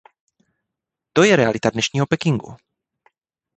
To je realita dnešního Pekingu.!